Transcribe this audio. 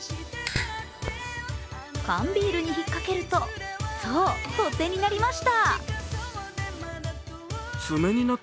缶ビールに引っかけると、そう取っ手になりました。